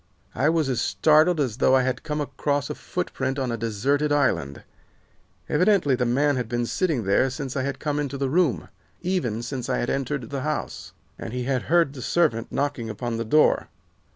I was as startled as though I had come across a footprint on a deserted island. Evidently the man had been sitting there since I had come into the room, even since I had entered the house, and he had heard the servant knocking upon the door.